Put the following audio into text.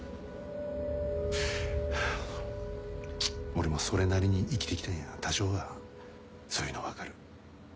俺もそれなりに生きて来たんや多少はそういうの分かる。